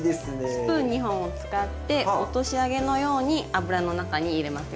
スプーン２本を使って落とし揚げのように油の中に入れますよ。